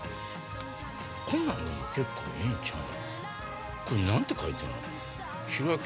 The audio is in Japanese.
こんなん結構いいんちゃうん？